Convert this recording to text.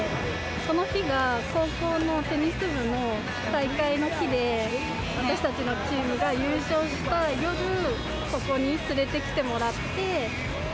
その日が高校のテニス部の大会の日で、私たちのチームが優勝した夜、ここに連れてきてもらって。